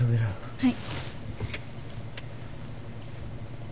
はい。